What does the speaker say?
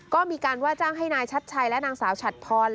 ก็มีการว่าจ้างให้นายชัดชัยและนางสาวฉัดพร